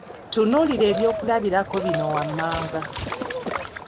Tunuulira ebyokulabirako bino wammanga.